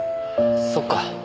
そっか。